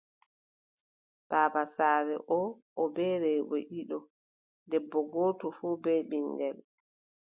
Baaba saare oo, o bee rewɓe ɗiɗo, debbo gooto fuu bee ɓiŋngel.